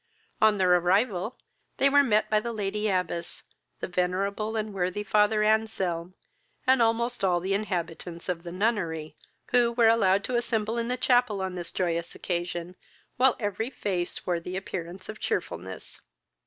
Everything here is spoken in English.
On their arrival, they were met by the Lady Abbess, the venerable and worthy Father Anselm, and almost all the inhabitants of the nunnery, who were allowed to assemble in the chapel on this joyous occasion, while every face wore the appearance of cheerfulness.